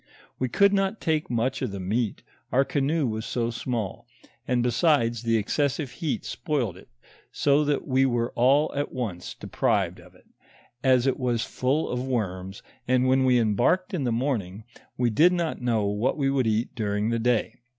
"We could not take much of the meat, our canoe was so small, and besides the excesbive heat spoiled it, so that we were all at once deprived of it, as it was full of worms ; and when we embarked in the morning, we did not know what we would eat during the day.